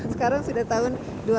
sekarang sudah tahun dua ribu lima belas